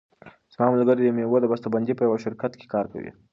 زما ملګری د مېوو د بسته بندۍ په یوه شرکت کې کار کوي.